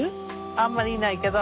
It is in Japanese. あんまりいないけど。